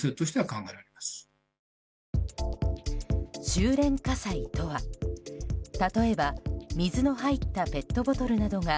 収れん火災とは、例えば水の入ったペットボトルなどが